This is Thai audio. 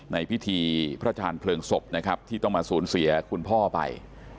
ในพิธีพระอาจารย์เผลิงศพที่ต้องมาสูญเสียคุณพ่อไป